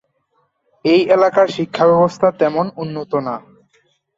এই এলাকার শিক্ষা ব্যবস্থা তেমন উন্নত না।